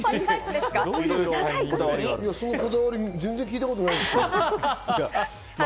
そのこだわり、全然聞いたことないですけど。